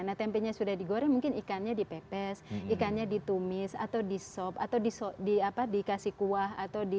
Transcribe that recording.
nah tempenya sudah digoreng mungkin ikannya dipepes ikannya ditumis atau di sop atau dikasih kuah